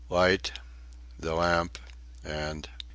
"Light... the lamp... and...